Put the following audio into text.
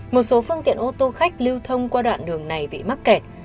một số phương tiện ô tô khách lưu thông qua đoạn đường này bị mắc kẹt